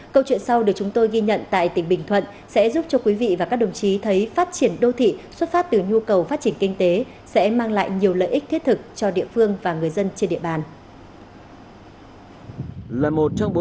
câu chuyện sau được chúng tôi ghi nhận tại tỉnh bình thuận sẽ giúp cho quý vị và các đồng chí thấy phát triển đô thị xuất phát từ nhu cầu phát triển kinh tế sẽ mang lại nhiều lợi ích thiết thực cho địa phương và người dân trên địa bàn